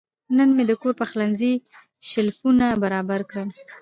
نن مې د کور پخلنځي شیلفونه برابر کړل.